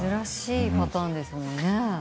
珍しいパターンですよね。